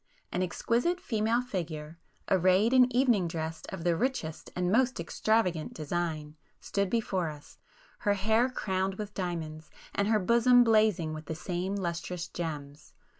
An exquisite female figure, arrayed in evening dress of the richest and most extravagant design, stood before us, her hair crowned with diamonds, and her bosom blazing with the same lustrous gems.